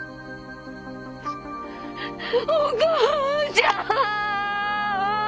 お母ちゃん！